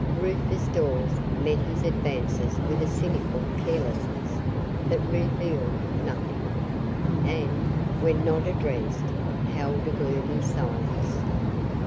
Rufus Dawes met his advances with a cynical carelessness that revealed nothing; and, when not addressed, held a gloomy silence.